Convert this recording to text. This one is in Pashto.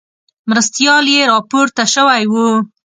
مرستیال یې راپورته شوی وو.